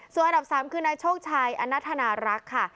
ส่วนอันดับ๓คือนายโชคชัยอนันธนารักษ์ค่ะ